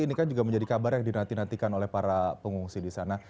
ini kan juga menjadi kabar yang dinantikan oleh para pengungsi di sana